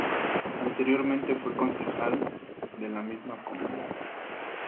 Anteriormente fue concejal de la misma comuna.